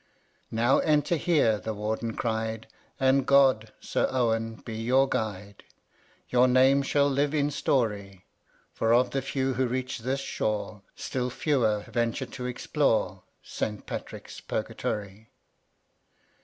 8. " Now enter here," the Warden cried, " And God, Sir Owen, be your guide ! Your name shall live in story : For of the few who reach tliis shore. Still fewer venture to explore St. Patrick's Purgatory."